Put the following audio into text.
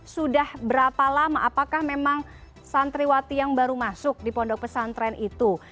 sudah berapa lama apakah memang santriwati yang baru masuk di pondok pesantren itu